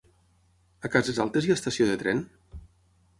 A Cases Altes hi ha estació de tren?